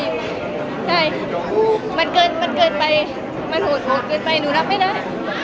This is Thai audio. ใช่มันเกินมันเกินไปมันโหดเกินไปหนูรับไม่ได้